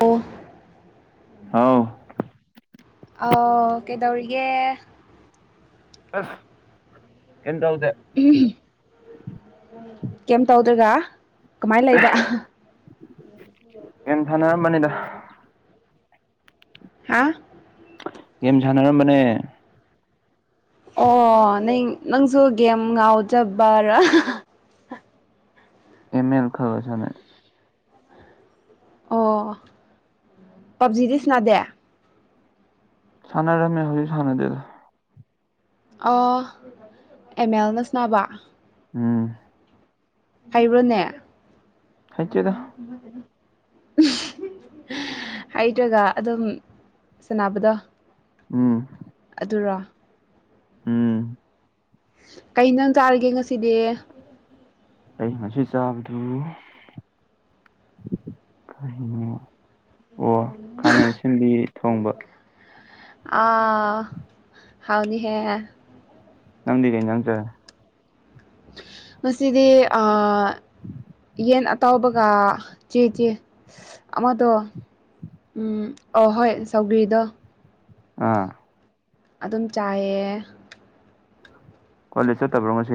ꯑꯣ ꯍꯥꯎ ꯑꯥ ꯀꯩꯗꯧꯔꯤꯒꯦ ꯑꯁ ꯀꯔꯝꯗꯥꯎꯗꯦ ꯫ ꯀꯩꯝ ꯇꯧꯗ꯭ꯔꯒ ꯀꯃꯥꯏꯅ ꯂꯩꯕ ꯫ ꯒꯦꯝ ꯁꯅꯔꯝꯕꯅꯤꯗ ꯫ ꯍꯥꯥ ꯒꯦꯝ ꯁꯥꯟꯅꯔꯝꯕꯅꯦ ꯫ ꯑꯣ ꯅꯪ ꯅꯪꯁꯨ ꯒꯦꯝ ꯉꯥꯎꯖꯕꯔꯥ ꯃꯦꯝ ꯃꯦꯜ ꯈꯔ ꯁꯅꯩ ꯫ ꯑꯣ ꯄꯞꯖꯤꯗꯤ ꯁꯤꯅꯥꯗꯦ ꯫ ꯁꯥꯟꯅꯔꯝ ꯍꯧꯖꯤꯛ ꯁꯥꯟꯅꯗꯦꯗ ꯫ ꯑꯣ ꯃꯦꯝ ꯃꯦꯜꯅ ꯁꯅꯥꯕ ꯎꯝ ꯍꯩꯕ꯭ꯔꯣꯅꯦ ꯍꯩꯇꯦꯗ ꯍꯩꯇ꯭ꯔꯒ ꯑꯗꯨꯝ ꯁꯅꯕꯗꯣ ꯫ ꯎꯝ ꯑꯗꯨꯔꯣ ꯎꯝ ꯀꯩ ꯏꯁꯥꯡ ꯆꯥꯔꯒꯦ ꯉꯁꯤꯗꯤ ꯫ ꯑꯩ ꯉꯁꯤ ꯆꯥꯕꯗꯨ ꯀꯔꯤꯅꯣ ꯑꯣ ꯈꯥꯃꯦꯟ ꯁꯦꯝꯕꯤ ꯊꯣꯡꯕ ꯫ ꯑ ꯍꯥꯎꯅꯤ ꯍꯦ ꯅꯪꯗꯤ ꯀꯩ ꯏꯟꯁꯥꯡ ꯆꯥꯏ ꯉꯁꯤꯗꯤ ꯑꯥ ꯌꯦꯟ ꯑꯇꯥꯎꯕꯒ ꯆꯦ ꯆꯦ ꯑꯃꯗꯣ ꯎꯝ ꯑꯣ ꯍꯣꯏ ꯁꯧꯒꯔꯤꯗꯣ ꯑꯥ ꯑꯗꯨꯝ ꯆꯥꯏꯌꯦ꯫ ꯀꯣꯂꯦꯖ ꯆꯠꯇꯕ꯭ꯔꯣ ꯉꯁꯤ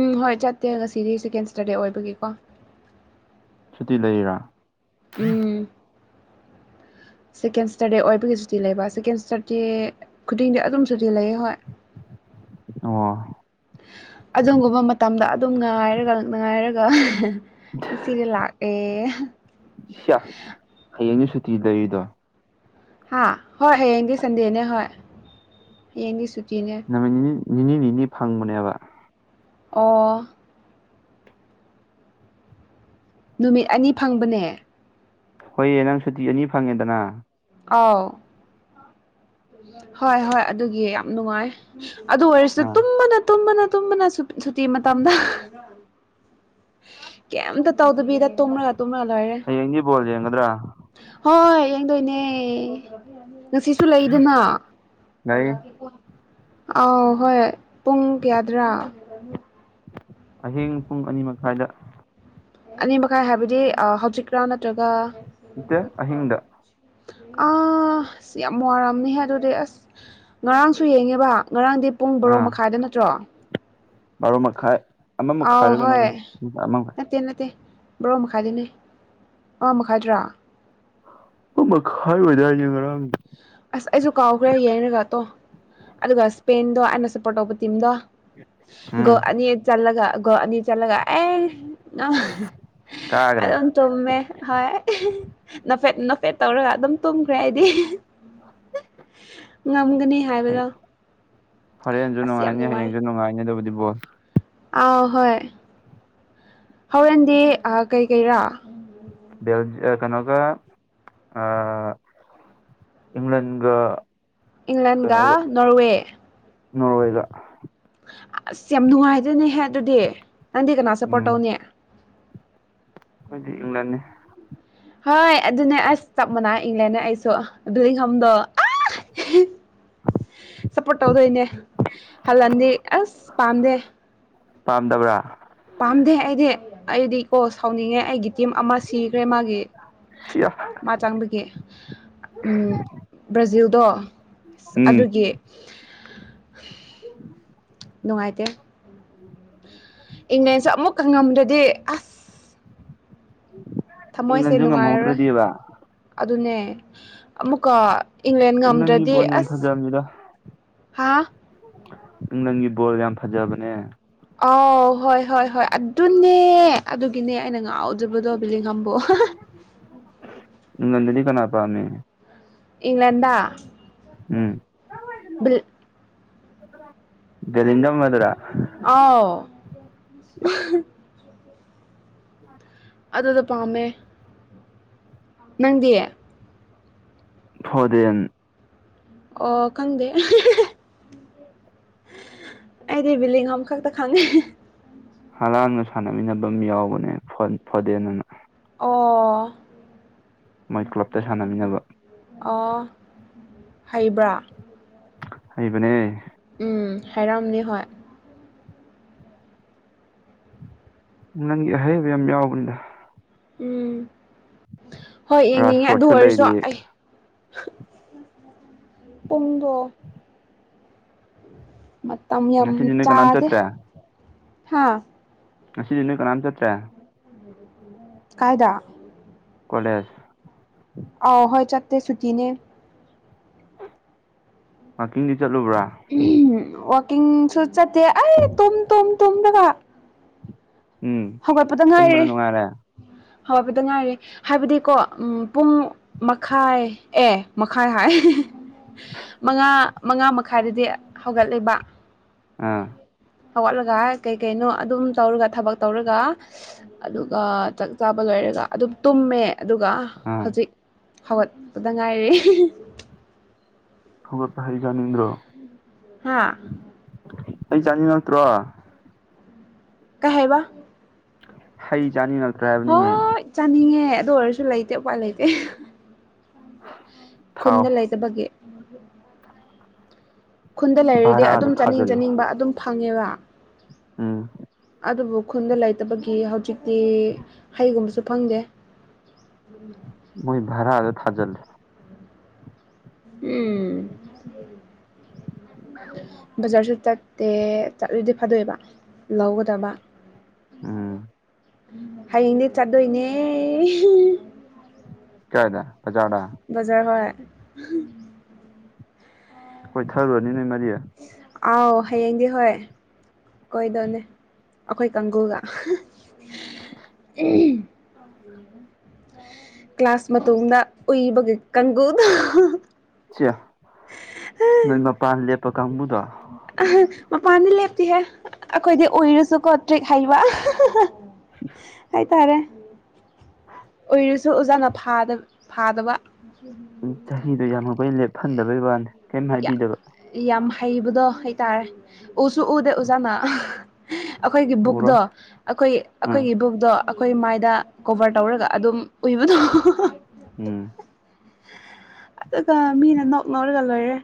ꯎꯝ ꯍꯣꯏ ꯆꯠꯇꯦ ꯉꯁꯤꯗꯤ ꯁꯦꯀꯦꯟ ꯁꯇꯔꯗꯦ ꯑꯣꯏꯕꯒꯤꯀꯣ ꯁꯨꯇꯤ ꯂꯩꯔꯤꯔꯣ ꯎꯝ ꯁꯦꯀꯦꯟ ꯁꯇꯔꯗꯦ ꯑꯣꯏꯕꯒꯤꯁꯨꯨꯇꯤ ꯂꯩꯕ ꯁꯦꯀꯦꯟ ꯁꯇꯔꯗꯦ ꯈꯨꯗꯤꯡꯗꯤ ꯑꯗꯨꯝꯁꯨꯨꯇꯤ ꯂꯩꯌꯦ ꯍꯣꯏ [unintelligible] ꯑꯣ ꯑꯗꯨꯒꯨꯝꯕ ꯃꯇꯝꯗ ꯑꯗꯨꯝ ꯉꯥꯏꯔꯒ ꯉꯥꯏꯔꯒ ꯉꯁꯤꯗꯤ ꯂꯥꯛꯑꯦ ꯁꯤꯌ ꯍꯌꯦꯡꯗꯤ ꯁꯨꯇꯤꯂꯩꯔꯤꯗꯣ ꯍꯥ ꯍꯣꯏ ꯍꯌꯦꯡꯗꯤ ꯁꯟꯗꯦꯅꯦ ꯍꯣꯏ ꯍꯌꯦꯡꯗꯤ ꯁꯨꯇꯤꯅꯦ ꯅꯨꯃꯤꯠ ꯅꯤꯅꯤ ꯅꯤꯅꯤ ꯐꯪꯕꯅꯦꯕ ꯑꯣ ꯅꯨꯃꯤꯠ ꯑꯅꯤ ꯐꯪꯕꯅꯦ ꯍꯣꯏꯌꯦ ꯅꯪ ꯁꯨꯇꯤ ꯑꯅꯤ ꯐꯪꯉꯦꯗꯅ ꯑꯥꯎ ꯍꯣꯏ ꯍꯣꯏ ꯑꯗꯨꯒꯤ ꯌꯥꯝ ꯅꯨꯡꯉꯥꯏ ꯑꯗꯨ ꯑꯣꯏꯔꯁꯨ ꯑꯥ ꯇꯨꯝꯕꯗ ꯇꯨꯝꯕꯅ ꯇꯨꯝꯕꯅꯨ ꯁꯨꯇꯤ ꯃꯇꯝꯗ ꯑ ꯀꯩꯝꯇ ꯇꯧꯗꯕꯤꯗ ꯇꯨꯝꯔꯒ ꯇꯨꯝꯃ ꯂꯩꯔꯦ ꯍꯌꯦꯡꯗꯤ ꯕꯣꯜ ꯌꯦꯡꯒꯗ꯭ꯔꯥ ꯍꯣꯏ ꯌꯦꯡꯗꯣꯏꯅꯦ ꯉꯁꯤꯁꯨ ꯂꯩꯗꯅ ꯂꯩ ꯑꯥꯎ ꯍꯣꯏ ꯄꯨꯡ ꯀꯌꯥꯗ꯭ꯔꯥ ꯑꯍꯤꯡ ꯄꯨꯡ ꯑꯅꯤ ꯃꯈꯥꯏꯗ ꯑꯅꯤ ꯃꯈꯥꯏ ꯍꯥꯏꯕꯗꯤ ꯍꯧꯖꯤꯛꯔꯥ ꯅꯠꯇ꯭ꯔꯒ ꯅꯠꯇꯦ ꯑꯍꯤꯡꯗ ꯑꯥꯁ ꯌꯥꯝ ꯋꯥꯔꯝꯅꯤꯍꯦ ꯑꯗꯨꯗꯤ ꯑꯁ ꯉꯔꯥꯡꯁꯨ ꯌꯦꯡꯉꯦꯕ ꯉꯔꯥꯡꯗꯤ ꯄꯨꯡ ꯕꯥꯔꯣ ꯑꯥ ꯃꯈꯥꯏꯗ ꯅꯠꯇ꯭ꯔꯣ ꯕꯥꯔꯣ ꯃꯈꯥꯏ ꯑꯃ ꯑꯥꯎ ꯃꯈꯥꯏꯔ ꯍꯣꯏ ꯀꯩꯅꯣꯝꯅꯤ ꯑꯃ ꯃꯈꯥꯏ ꯅꯠꯇꯦ ꯅꯠꯇꯦ ꯕꯥꯔꯣ ꯃꯈꯥꯏꯗꯥꯅꯦ ꯑꯃ ꯃꯈꯥꯏꯗ꯭ꯔꯥ ꯃꯈꯥꯏ ꯑꯣꯏꯗꯥꯏꯅꯦ ꯉꯔꯥꯡ ꯑꯁ ꯑꯩꯁꯨ ꯀꯥꯎꯈ꯭ꯔꯦ ꯌꯦꯡꯉꯒꯇꯣ ꯑꯗꯨꯒ ꯁ꯭ꯄꯦꯟꯗꯣ ꯑꯩꯅ ꯁꯞꯄꯣꯔꯠ ꯇꯧꯕ ꯇꯤꯝꯗꯣ ꯎꯝ ꯒꯣꯜ ꯑꯅꯤ ꯆꯜꯂꯒ ꯒꯣꯜ ꯑꯅꯤ ꯆꯜꯂꯒ ꯑꯦ ꯅꯪ ꯀꯥꯒ꯭ꯔꯦ ꯑꯗꯨꯝ ꯇꯨꯝꯃꯦ ꯍꯣꯏ ꯅꯣꯐꯦꯠ ꯅꯣꯐꯦꯠ ꯇꯧꯔꯒ ꯑꯗꯨꯝ ꯇꯨꯝꯈ꯭ꯔꯦ ꯑꯩꯗꯤ ꯉꯝꯒꯅꯤ ꯍꯥꯏꯕꯗꯣ ꯑꯁ ꯌꯥꯝ ꯅꯨꯡꯉꯥꯏ ꯅꯨꯡꯉꯥꯏꯅꯦꯗꯨꯕꯨꯗꯤ ꯕꯣꯜ ꯑꯥꯎ ꯍꯣꯏ ꯍꯣꯔꯦꯟꯗꯤ ꯀꯩꯀꯩꯔꯥ ꯕꯦꯜ ꯀꯩꯅꯣꯒ ꯑꯥ ꯏꯪꯂꯦꯟꯒ ꯏꯪꯂꯦꯟꯒ ꯅꯣꯔꯋꯦ ꯅꯣꯔꯋꯦꯒ ꯑꯁ ꯌꯥꯝ ꯅꯨꯡꯉꯥꯏꯗꯣꯏꯅꯦꯍꯦ ꯑꯗꯨꯗꯤ ꯅꯪꯗꯤ ꯀꯅꯥ ꯁꯞꯄꯣꯔꯠ ꯎꯝ ꯇꯧꯅꯦ ꯈꯣꯏꯗꯤ ꯏꯪꯂꯦꯟꯅꯤ ꯍꯣꯏ ꯑꯗꯨꯅꯦ ꯑꯁ ꯆꯞ ꯃꯅꯩ ꯏꯪꯂꯦꯟꯅꯦ ꯑꯩꯁꯨ ꯑꯗꯨꯏꯍꯝꯗꯣ ꯁꯞꯄꯣꯔꯠ ꯇꯧꯗꯣꯏꯅꯦ ꯍꯜꯂꯟꯗꯤ ꯑꯁ ꯄꯥꯝꯗꯦ ꯄꯥꯝꯗꯕ꯭ꯔꯥ ꯄꯥꯝꯗꯦ ꯑꯩꯗꯤ ꯑꯩꯗꯤ ꯀꯣ ꯁꯥꯎꯅꯤꯡꯉꯦ ꯑꯩꯒꯤ ꯇꯤꯝ ꯑꯃ ꯁꯤꯈ꯭ꯔꯦ ꯃꯥꯒꯤ ꯁꯤꯌꯥ ꯃꯥ ꯆꯥꯡꯕꯒꯤ ꯕ꯭ꯔꯥꯖꯤꯜꯗꯣ ꯎꯝ ꯑꯗꯨꯒꯤ ꯅꯨꯡꯉꯥꯏꯇꯦ ꯏꯪꯂꯦꯟꯁꯨ ꯑꯃꯨꯛꯀꯪꯉꯝꯗꯗꯤ ꯑꯁ ꯊꯝꯃꯣꯏꯁꯦ ꯏꯪꯂꯟꯖꯨ ꯅꯨꯡꯉꯥꯏꯔꯔꯣꯏ ꯉꯝꯍꯧꯗ꯭ꯔꯗꯤꯕ ꯑꯗꯨꯅꯦ ꯑꯃꯨꯛꯀ ꯏꯪꯂꯦꯟ ꯏꯪꯂꯟꯒꯤ ꯉꯝꯗ꯭ꯔꯗꯤ ꯕꯣꯜ ꯌꯥꯝ ꯑꯁ ꯐꯖꯕꯅꯤꯗ ꯍꯥ ꯅꯨꯡ ꯅꯪꯒꯤ ꯕꯣꯜ ꯌꯥꯝ ꯐꯖꯕꯅꯦ ꯑꯥꯎ ꯍꯣꯏ ꯍꯣꯏ ꯍꯣꯏ ꯑꯗꯨꯅꯦ ꯑꯗꯨꯒꯤꯅꯦ ꯑꯩꯅ ꯉꯥꯛꯑꯣ ꯖꯕꯨꯗꯣꯕꯤꯂꯤ ꯈꯝꯕꯣ ꯏꯪꯂꯟꯗꯗꯤ ꯀꯅꯥꯄꯝꯃꯤꯅꯤ ꯏꯪꯂꯦꯟꯗ ꯎꯝ ꯕꯦꯂꯤꯟꯖꯝ ꯑꯗꯨꯔꯥ ꯑꯥꯎ [inaudible] ꯑꯗꯨꯗꯨ ꯄꯥꯝꯃꯦ ꯅꯪꯗꯤ ꯐꯣꯗꯦꯟ ꯑꯣ ꯈꯪꯗꯦ [unintelligible] ꯑꯩꯗꯤ ꯕꯤꯂꯤꯡꯉꯝ ꯈꯛꯇ ꯈꯪꯉꯦ ꯍꯂꯥꯟꯒ ꯁꯥꯟꯅꯃꯤꯟꯅꯕ ꯑꯃ ꯌꯥꯎꯕꯅꯦ ꯐ ꯐꯗꯦꯟ ꯑꯅ ꯃꯣꯏ ꯀ꯭ꯂꯞꯇ ꯁꯥꯟꯅꯃꯤꯟꯅꯕ ꯑꯣ ꯑꫭ ꯍꯩꯕ꯭ꯔꯥ ꯍꯩꯕꯅꯦ ꯎꯝ ꯍꯥꯏꯔꯝꯅꯤ ꯍꯣꯏ ꯥꯏꯪꯂꯟꯒꯤ ꯑꯍꯩꯕ ꯑꯍꯩꯕ ꯌꯥꯝ ꯌꯥꯎꯕꯅꯤꯗ ꯎꯝ ꯍꯣꯏ ꯌꯦꯡꯅꯤꯡꯉꯦ ꯑꯗꯨ ꯔꯥꯁꯐꯣꯔꯠꯁꯨ ꯑꯣꯏꯔꯁꯨ ꯂꯩꯔꯤ ꯑꯩ ꯄꯨꯨꯡꯗꫭ ꯃꯇꯝ ꯌꯥꯝ ꯉꯁꯤꯗꯤ ꯅꯣꯏ ꯀꯅꯥꯝ ꯆꯥꯗꯦ ꯆꯠꯇ꯭ꯔꯦ ꯍꯥꯥ ꯉꯁꯤꯗꯤ ꯅꯣꯏ ꯀꯅꯥꯝ ꯆꯠꯇ꯭ꯔꯦ ꯀꯥꯏꯗ ꯀꫭꯂꯦꯁ ꯑꯥꯎ ꯍꯣꯏ ꯆꯥꯛꯦ ꯁꯨꯀꯤꯅꯦ ꯋꯥꯀꯤꯡꯗꯤ ꯆꯠꯂꯨꯕ꯭ꯔꯥ ꯋꯥꯛꯀꯤꯡꯁꯨ ꯆꯠꯇꯦ ꯑꯩ ꯇꯨꯝ ꯇꯨꯝ ꯇꯝꯔꯒ ꯎꯝ ꯍꯧꯒꯠꯄꯗ ꯉꯥꯏꯔꯦ ꯇꯨꯝꯕꯅ ꯅꯨꯡꯉꯥꯏꯔꯦ ꯍꯧꯒꯠꯄꯗ ꯉꯥꯏꯔꯦ ꯍꯥꯏꯕꯗꯤꯀꯣ ꯎꯝ ꯄꯨꯡ ꯃꯈꯥꯏ ꯑꯦ ꯃꯈꯥꯏ ꯍꯥꯏ ꯃꯉꯥ ꯃꯉꯥ ꯃꯈꯥꯏꯗꯗꯤ ꯍꯧꯒꯠꯂꯦꯕ ꯑꯥ ꯍꯧꯒꯠꯂꯒ ꯀꯩ ꯀꯩꯅꯣ ꯑꯗꯨꯝ ꯇꯧꯔꯒ ꯊꯕꯛ ꯇꯧꯔꯒ ꯑꯗꯨꯒ ꯆꯥꯛ ꯆꯥꯕ ꯂꯣꯏꯔꯒ ꯑꯗꯨꯝ ꯇꯨꯝꯃꯦ ꯑꯗꯨꯒ ꯑꯥ ꯍꯧꯖꯤꯛ ꯍꯧꯒꯠꯄꯗ ꯉꯥꯏꯔꯦ ꯍꯧꯒꯠꯄ ꯍꯩ ꯆꯥꯅꯤꯡꯗ꯭ꯔꫭ ꯍꯥꯥ ꯍꯩ ꯆꯥꯅꯤꯡꯉꯛꯇ꯭ꯔꯣ ꯀꯩꯍꯥꯏꯕ ꯍꯩ ꯆꯥꯅꯤꯡꯉꯛꯇ꯭ꯔꯦ ꯍꯥꯏꯕꯅꯤꯅꯦ ꯍꫭꯏ ꯆꯥꯅꯤꯡꯉꯦ ꯑꯗꯨ ꯑꯣꯏꯔꯁꯨ ꯂꯩꯇꯦ ꯎꯄꯥꯏ ꯂꯩꯇꯦ ꯊꯥꯎ ꯈꯨꯟꯗ ꯂꯩ ꯇꯕꯒꯤ [unintelligible] ꯈꯨꯟꯗ ꯂꯩꯔꯤꯗꯤ ꯚꯔꯥꯗ ꯑꯗꯨꯝ ꯆꯥꯅꯤꯡ ꯆꯥꯅꯤꯡꯕ ꯑꯗꯨꯝ ꯐꯪꯉꯦꯕ ꯑꯝ ꯑꯗꯨꯕꯨ ꯈꯨꯟꯗ ꯂꯩꯇꯕꯒꯤ ꯍꯧꯖꯤꯛꯇꯤ ꯍꯩꯒꯨꯝꯕꯁꯨ ꯐꯪꯗꯦ ꯃꯣꯏ ꯚꯔꯥꯗ ꯊꯥꯖꯤꯜꯂꯦ ꯎꯝ ꯕꯖꯥꯔꯁꯨ ꯆꯠ ꯇꯦ ꯆꯠꯂꯨꯗꯤ ꯐꯗꯣꯏꯕ ꯂꯧꯒꯗꯕ ꯎꯝ ꯍꯌꯦꯡꯗꯤ ꯆꯠꯇꯣꯏꯅꯦ ꯀꯥꯏꯗ ꯕꯖꯥꯔꯗ ꯕꯖꯥꯔꯗ ꯍꯣꯏ ꯀꯣꯏ ꯊꯔꯨꯔꯅꯤ ꯅꯣꯏ ꯃꯔꯤ ꯑꯥꯎ ꯍꯌꯦꯡꯗꯤ ꯍꯣꯏ ꯀꯣꯏꯗꯧꯅꯦ ꯑꯩꯈꯣꯏ ꯀꯥꯡꯒꯨꯒ ꯎꯝ ꯀ꯭ꯂꯥꯁ ꯃꯇꯨꯡꯗ ꯎꯏꯕꯒꯤ ꯀꯥꯡꯒꯨꯗꯨ ꯁꯤꯌꯥ ꯅꯣꯏ ꯃꯄꯥꯟ ꯂꯦꯞꯄ ꯀꯥꯡꯕꯨꯗꯣ ꯑ ꯃꯄꯥꯟꯗꯤ ꯂꯦꯞꯇꯤꯍꯦ ꯑꯩꯈꯣꯏꯗꯤ ꯎꯏꯔꯁꯨꯀꯣ ꯇ꯭ꯔꯤꯛ ꯍꯩꯕ ꯍꯥꯏ ꯇꯥꯔꯦ ꯍꯧꯖꯤꯛꯁꯨ ꯑꯣꯖꯥꯅ ꯐꯥꯗꯕ ꯎ ꯆꯍꯤꯗꯣ ꯌꯥꯝꯈꯣꯏ ꯂꯦꯞꯍꯟꯗꯕꯩ ꯋꯥꯅꯤ ꯀꯩꯝ ꯌꯥꯝ ꯍꯥꯏꯕꯤꯗꯕ ꯌꯥꯝ ꯍꯩꯕꯗꯣ ꯍꯩꯇꯥꯔꯦ ꯎꯁꯨ ꯎꯗꯦ ꯑꯣꯖꯥꯅ ꯑꯩꯈꯣꯏꯒꯤ ꯎꯔꯣꯏ ꯕꯨꯛꯇꯣ ꯑꯩꯈꯣꯏ ꯎꯝ ꯑꯩꯈꯣꯏꯒꯤ ꯕꯨꯛꯇꯣ ꯑꯩꯈꯣꯏ ꯃꯥꯏꯗ ꯀꯣꯕꯔ ꯇꯧꯔꯒ ꯑꯗꯨꯝ ꯎꯏꯕꯗꯣ ꯎꯝ ꯑꯗꯨꯒ ꯃꯤꯅ ꯅꯣꯛ ꯅꯧꯔꯒ ꯂꯣꯏꯔꯦ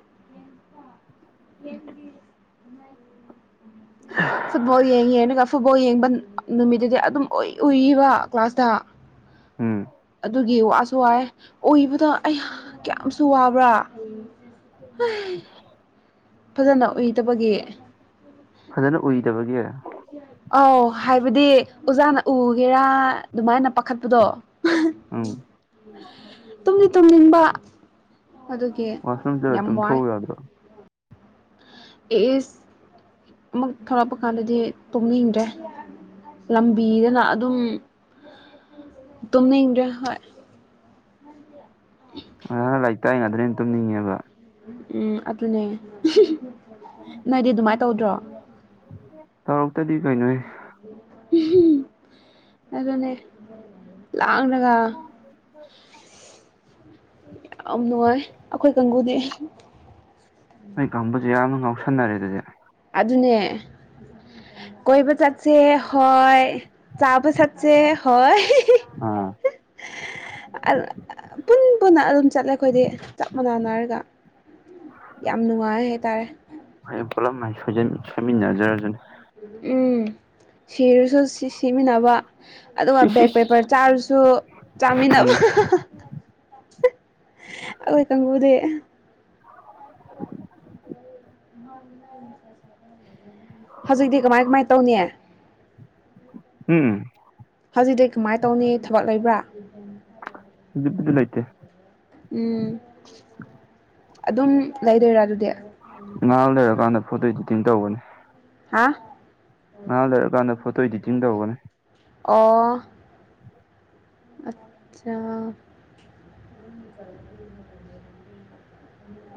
[inaudible] ꯕꯣꯜ ꯌꯦꯡꯉꯤ ꯑꯅ ꯐꯨꯠꯕꯣꯜ ꯌꯦꯡꯕ ꯅꯨꯃꯤꯠꯇꯨꯗꯤ ꯑꯗꯨꯝ ꯎꯏ ꯎꯏꯕ ꯀ꯭ꯂꯥꯁꯇ ꯎꯝ ꯑꯗꯨꯒꯤ ꯋꯥꯁꯨ ꯋꯥꯑꯦ ꯑꯣꯏꯕꯗ ꯑꯩ ꯀꯌꯥꯝꯁꯨ ꯋꯥꯕ꯭ꯔꯥ [inaudible] ꯐꯖꯅ ꯎꯏꯗꯕꯒꯤ ꯐꯖꯅ ꯎꯏꯗꯕꯒꯤ ꯑꯧ ꯍꯥꯏꯕꯗꯤ ꯑꯣꯖꯥꯅ ꯎꯒꯦꯔꯥ ꯑꯗꯨꯃꯥꯏꯅ ꯄꯥꯈꯠꯄꯗꯣ ꯎꯝ ꯇꯨꯝꯗꯤ ꯇꯨꯝꯅꯤꯡꯕ ꯑꯗꯨ ꯋꯥꯁꫪꯨꯝ ꯆꯠꯂ ꯇꯨꯝ ꯊꯣꯛꯎ ꯌꯥꯗ꯭ꯔꯣ ꯑꯦꯁ ꯑꯃꯨꯛ ꯊꯣꯂꯛꯄ ꯀꯥꯟꯗꯗꯤ ꯇꯨꯅꯤꯡꯗ꯭ꯔꯦ ꯂꯝꯕꯤꯗꯅ ꯑꯗꯨꯝ ꯇꯨꯝꯅꯤꯡꯗ꯭ꯔꯦ ꯍꯣꯏ ꯑꯣ ꯂꯥꯏꯔꯤꯛ ꯇꯥꯏꯉꯗꯅ ꯑꯩꯅ ꯇꯨꯝꯅꯤꯡꯉꯦꯕ ꯎꯝ ꯑꯗꯨꯅꯦ ꯅꯣꯏꯗꯤ ꯑꯗꯨꯃꯥꯏꯅ ꯇꯧꯗ꯭ꯔꯣ ꯇꯧꯔꯛꯇꯗꯤ ꯀꯩ ꯅꯣꯍꯦ ꯑꯗꯨꯅꯦ ꯂꯥꯡꯔꯒ ꯌꯥꯝ ꯅꯨꯡꯉꯥꯏ ꯑꯩꯈꯣꯏ ꯀꯥꯡꯕꯨꯨꯗꯤ ꯅꯣꯏ ꯀꯥꯡꯕꯨꯁꯦ ꯌꯥꯝꯅ ꯉꯥꯎꯁꯟꯅꯔꯦ ꯑꯗꯨꯗꯤ ꯑꯗꯨꯅꯦ ꯀꯣꯏꯕ ꯆꯠꯁꯦ ꯍꯣꯏ ꯆꯥꯕ ꯆꯠꯁꯦ ꯍꯣꯏ ꯑꯥ ꯄꯨꯟ ꯄꯨꯟꯅ ꯑꯗꯨꯝ ꯆꯠꯂꯦ ꯑꯩꯈꯣꯏꯗꯤ ꯆꯞ ꯃꯥꯟꯅꯅ ꯍꯥꯏꯔꯒ ꯌꯥꯝ ꯅꯨꯡꯉꯥꯏ ꯍꯥꯏꯇꯥꯔꯦ ꯍꯣꯏ ꯄꯨꯂꯂꯝ ꯁꯣꯏ ꯁꯣꯏꯃꯤꯟꯅꯖꯔꯅꯤ ꯎꯝ ꯁꯤꯔꯁꯨ ꯁꯤ ꯁꯤꯃꯤꯟꯅꯕ ꯑꯗꯨꯒ ꯁꯤꯁ ꯕꯦꯛ ꯏꯁ ꯄꯦꯄꯔ ꯆꯥꯔꯁꯨ ꯆꯥꯃꯤꯟꯅꯕ ꯎꯝ ꯑꯩꯈꯣꯏ ꯀꯪꯒꯨꯗꯤ [inaudible] [inaudible] ꯍꯧꯖꯤꯛꯇꯤ ꯀꯃꯥꯏ ꯀꯃꯥꯏꯅ ꯇꯧꯅꯤ ꯍꯨꯝ ꯍꯧꯖꯤꯛꯗꯤ ꯀꯃꯥꯏꯅ ꯇꯧꯅꯤ ꯊꯕꯛ ꯂꯩꯕ꯭ꯔꯥ ꯍꯧꯖꯤꯛꯄꯨꯗꯤ ꯂꯩꯇꯦ ꯎꯝ ꯑꯗꯨꯝ ꯂꯩꯔꯣꯏꯔꯥ ꯑꯗꯨꯗꯤ ꯉꯥ ꯂꯩꯔꯀꯥꯟꯗ ꯐꯣꯇꯣ ꯏꯗꯤꯇꯤꯡ ꯇꯧꯕꯅꯤ ꯍꯥꯥ ꯉꯍꯥꯛ ꯂꯩꯔꯀꯥꯟꯗ ꯐꯣꯇꯣ ꯏꯗꯤꯇꯤꯡ ꯇꯧꯒꯅꯤ ꯑꯣ ꯑꯆꯥ [unintelligible]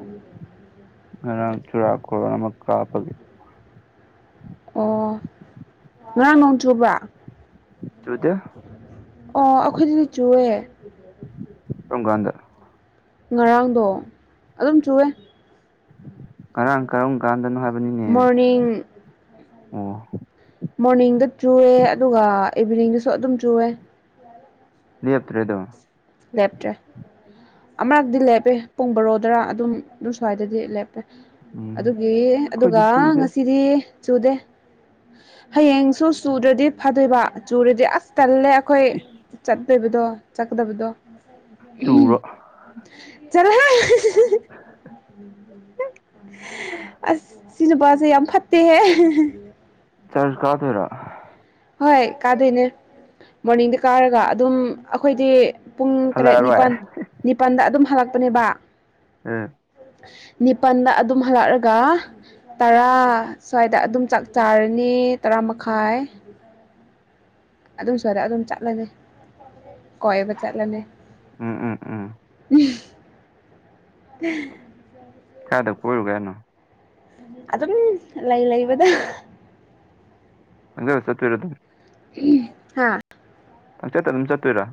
[unintelligible] ꯎꯝ ꯉꯔꯥꯡ ꯆꯨꯔꯥ ꯈꯨꯔꯣꯟ ꯑꯃ ꯀꯥꯞꯄꯒꯤ ꯑꯣ ꯉꯔꯥꯡ ꯅꯣꯡꯖꯨꯕ꯭ꯔꯥ ꯆꯨꯗꯦ ꯑꯣ ꯑꯩꯈꯣꯏꯗꯤ ꯆꯨꯑꯦ ꯀꯥꯑꯝ ꯀꯥꯟꯗ ꯉꯔꯥꯡꯗꯣ ꯑꯗꯨꯝ ꯆꯨꯑꯦ ꯉꯔꯥꯡ ꯀꯔꯝ ꯀꯥꯟꯗꯅꯣ ꯍꯥꯏꯕꯅꯤꯅꯦ ꯃꯣꯔꯅꯤꯡ ꯑꯣ ꯃꯣꯔꯅꯤꯡꯗ ꯆꯨꯑꯦ ꯑꯗꯨꯒ ꯏꯚꯤꯅꯤꯡꯗꯁꯨ ꯑꯗꯨꯝ ꯆꯨꯑꯦ ꯂꯦꯞꯇ꯭ꯔꯦ ꯑꯗꯨꯝ ꯂꯦꯞꯇ꯭ꯔꯦ ꯑꯃꯔꯛꯇꯤ ꯂꯦꯞꯄꯦ ꯄꯨꯡ ꯕꯔꯣꯗꯔꯥ ꯑꯗꯨꯝ ꯑꯗꯨꯝ ꯁ꯭ꯋꯥꯏꯗꯗꯤ ꯂꯦꯞꯄꯦ ꯎꯝ ꯑꯗꯨꯒꯤ ꯑꯩꯈꯣꯏꯗꯤ ꯑꯗꯨꯒ ꯆꯨꯗꯦ ꯉꯁꯤꯗꯤ ꯆꯨꯗꯦ ꯍꯌꯦꯡꯁꯨ ꯆꯨꯨꯗ꯭ꯔꯗꯤ ꯐꯗꯣꯏꯕ ꯆꯨꯔꯗꯤ ꯑꯁ ꯇꯜꯂꯦ ꯑꯩꯈꯣꯏ ꯁꯤꯁ ꯆꯠꯇꯣꯏꯕꯗꯣ ꯆꯠꯀꯥꯗꯕꯗꯣ ꯆꯨꯔꯣ ꯆꯠꯂꯣꯍꯦ [inaudible] ꯑꯁ ꯁꯤ ꯅꯨꯄꯥꯁꯦ ꯌꯥꯝ ꯐꯠꯇꯦꯍꯦ ꯆ꯭ꯔꯁ ꯀꯥꯗꫭꯏꯔ ꯍꯣꯏ ꯀꯥꯗꯣꯏꯅꯦ ꯃꯣꯔꯅꯤꯡꯗ ꯀꯥꯔꯒ ꯑꯗꯨꯝ ꯑꯩꯈꯣꯏꯗꯤ ꯄꯨꯡ ꯇꯔꯦꯠ ꯍꯜꯂꯛꯑꯔꯣꯏ ꯅꯤꯄꯜ ꯅꯤꯄꯜꯗ ꯑꯗꯨꯝ ꯍꯜꯂꯛꯄꯅꯦꯕ ꯎꯝ ꯅꯤꯄꯜꯗ ꯑꯗꯨꯝ ꯍꯜꯂꯛꯑꯒ ꯇꯔꯥ ꯁ꯭ꯋꯥꯏꯗ ꯑꯗꯨꯝ ꯆꯥꯛ ꯆꯥꯔꯅꯤ ꯇꯔꯥ ꯃꯈꯥꯏ ꯑꯗꯨ ꯁ꯭ꯋꯥꯏꯗ ꯑꯗꯨꯝ ꯆꯠꯂꯅꯤ ꯀꯣꯏꯕ ꯆꯠꯂꯅꯤ ꯎꯝ ꯎꯝ ꯎꯝ ꯎꯝ [unintelligible] ꯀꯥꯏꯗ ꯀꯣꯏꯔꯨꯒꯦ ꯍꯥꯏꯅꫭ ꯑꯗꯨꯝ ꯂꯩ ꯂꯩꯕꯗ ꯍꯪ ꯁꯠꯕꯤꯔꯣ ꯍꯥ ꯄꯪꯆꯠꯇ ꯑꯗꯨꯝ ꯆꯠꯇꯣꯏꯔꯥ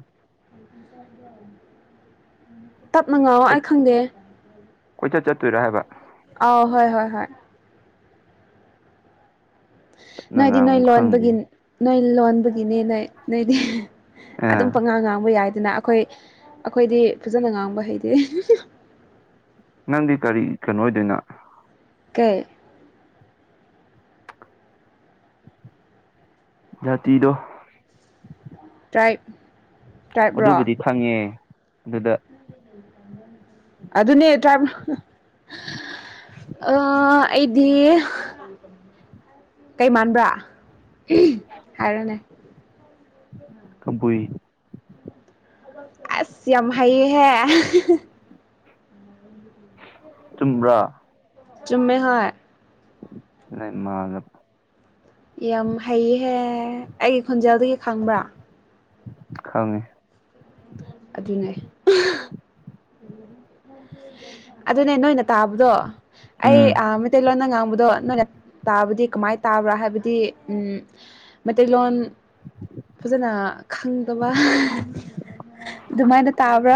ꯇꯞꯅ ꯉꯥꯎꯑꯣ ꯀꯣꯏ ꯑꯩ ꯈꯪꯗꯦ ꯀꯣꯏꯆꯠ ꯆꯠꯇꯣꯏꯔꯣ ꯍꯥꯏꯕ ꯑ ꯍꯣꯏ ꯍꯣꯏ ꯍꯣꯏ ꯇꯞꯅ ꯅꯣꯏꯗꯤ ꯅꯣꯏ ꯉꯥꯡꯉꯨ ꯈꯪꯗꯦ ꯂꯣꯟꯕꯒꯤ ꯅꯣꯏ ꯂꯣꯟꯕꯒꯤꯅꯤ ꯅꯣꯏ ꯅꯣꯏꯗꯤ ꯑꯗꯨꯝ ꯑꯦ ꯄꯉꯥꯡ ꯉꯥꯡꯕ ꯌꯥꯏꯗꯅ ꯑꯩꯈꯣꯏ ꯑꯩꯈꯣꯏꯗꯤ ꯐꯖꯅ ꯉꯥꯡꯕ ꯍꯩꯇꯦ ꯅꯪꯗꯤ ꯀꯔꯤ ꯀꯩꯅꯣ ꯑꯣꯏꯗꯣꯏꯅꯣ ꯀꯩ ꯌꯥꯇꯤꯗꯣ ꯇ꯭ꯔꯥꯏ ꯑꯗꯨꯕꯨꯗꯤ ꯐꯪꯉꯦ ꯑꯗꯨꯗ ꯑꯗꯨꯅꯦ ꯇ꯭ꯔꯥꯞ ꯑꯥ ꯑꯩꯗꯤ ꯀꯩ ꯃꯥꯟꯕ꯭ꯔꯥ ꯎꯝ ꯍꯥꯏꯔꯅꯦ ꯀꯕꯨꯏ ꯑꯁ ꯌꯥꯝ ꯍꯩꯌꯦꯍꯦ ꯆꯨꯝꯕ꯭ꯔꯣ ꯆꯨꯝꯃꯦ ꯍꯣꯏ ꯑꯩ ꯃꯥꯂꯕ ꯌꯥꯝ ꯍꯩꯍꯦ ꯑꯩꯒꯤ ꯈꯣꯟꯖꯦꯜꯗꯒꯤ ꯈꯪꯕ꯭ꯔꯥ ꯈꯪꯉꯤ ꯑꯗꯨꯅꯦ [unintelligible] ꯑꯗꯨꯅꯦ ꯅꯣꯏꯅ ꯇꯥꯕꯗꯣ ꯑꯩ ꯎꯝ ꯑ ꯃꯩꯇꯩꯂꯣꯟꯅ ꯉꯥꯡꯕꯗꯣ ꯅꯣꯏꯅ ꯇꯥꯕꯗꯤ ꯀꯃꯥꯏꯅ ꯇꯥꯕ꯭ꯔꯥ ꯍꯥꯏꯕꯗꯤ ꯎꯝ ꯃꯩꯇꯩꯂꯣꯟ ꯐꯖꯅ ꯈꯪꯗꯕ ꯑꯗꯨꯃꯥꯏꯅ ꯇꯥꯕ꯭ꯔꯥ